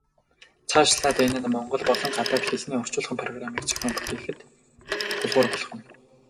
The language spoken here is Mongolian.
Цаашлаад энэ нь монгол болон гадаад хэлний орчуулгын программыг зохион бүтээхэд тулгуур болох юм.